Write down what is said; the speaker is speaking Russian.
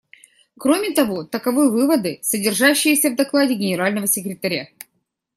Кроме того, таковы выводы, содержащиеся в докладе Генерального секретаря.